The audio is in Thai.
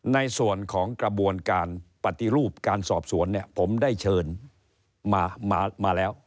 ในส่วนของกระบวนการปฏิรูปการสอบสวนเนี่ยผมได้เชิญมาแล้ว